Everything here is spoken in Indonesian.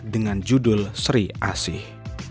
dengan judul sri asih